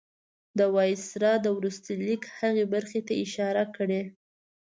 د وایسرا د وروستي لیک هغې برخې ته اشاره کړې.